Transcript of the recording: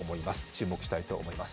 注目したいと思います。